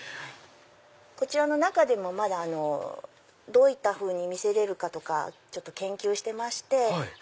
こちらの中でもまだどういったふうに見せれるかちょっと研究してまして。